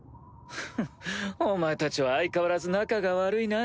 フンお前たちは相変わらず仲が悪いな。